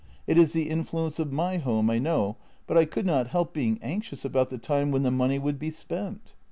It is the influence of my home, I know, but I could not help being anxious about the time when the money would be spent."